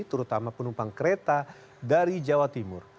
terutama penumpang kereta dari jawa timur